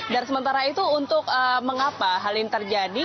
dan sementara itu untuk mengapa hal ini terjadi